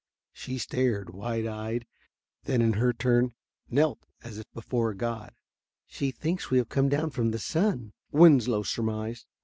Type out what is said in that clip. She stared, wide eyed, then in her turn knelt as if before a god. "She thinks we have come down from the sun," Winslow surmised.